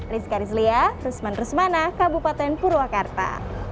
rizka rizlia rusman rusmana kabupaten purwakarta